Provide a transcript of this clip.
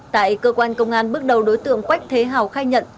tại cơ quan công an bước đầu đối tượng quách thế hào khai nhận